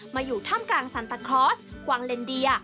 มาอยู่ถ้ำกลางสันตาครอสกวางเลนเดีย